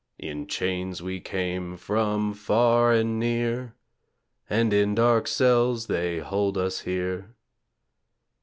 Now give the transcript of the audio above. In chains we came from far and near, And in dark cells they hold us here.